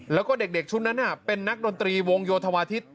แล้วก็เด็กชุดนั้นเป็นนักดนตรีวงโยธวาทิศ